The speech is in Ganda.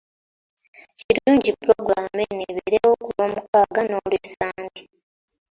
Kirungi pulogulaamu eno ebeerewo ku Lwomukaaga n’Olwessande.